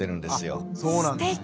あっそうなんですね。